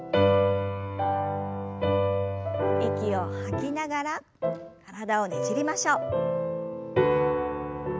息を吐きながら体をねじりましょう。